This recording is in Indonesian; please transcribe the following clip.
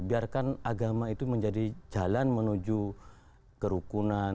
biarkan agama itu menjadi jalan menuju kerukunan